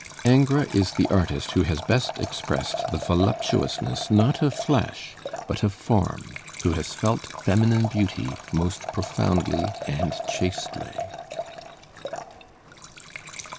Ingres is the artist who has best expressed the voluptuousness not of flesh but of form; who has felt feminine beauty most profoundly and chastely.